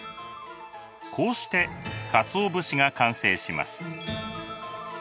こうしてかつお節が完成します。